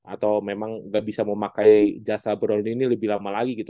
atau memang nggak bisa memakai jasa browning ini lebih lama lagi gitu